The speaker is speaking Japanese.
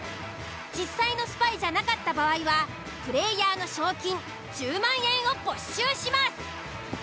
実際のスパイじゃなかった場合はプレイヤーの賞金１０万円を没収します。